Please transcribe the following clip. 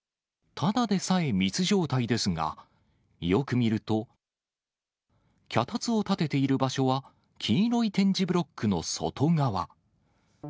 ただでさえ密状態ですが、よく見ると、脚立を立てている場所は、黄色い点字ブロックの外側。